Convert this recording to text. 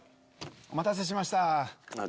お待たせしました。